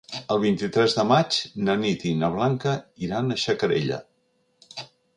El vint-i-tres de maig na Nit i na Blanca iran a Xacarella.